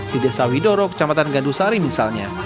di desa widoro kecamatan gandusari misalnya